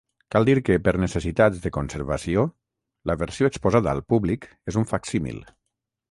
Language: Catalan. Cal dir que, per necessitats de conservació, la versió exposada al públic és un facsímil.